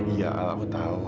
iya al aku tahu